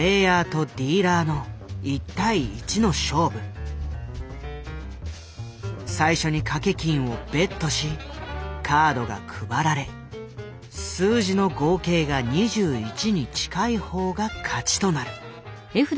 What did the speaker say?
ゲームは最初に賭け金をベットしカードが配られ数字の合計が２１に近い方が勝ちとなる。